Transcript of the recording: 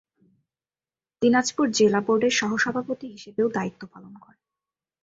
দিনাজপুর জেলা বোর্ডের সহসভাপতি হিসেবেও দায়িত্ব পালন করেন।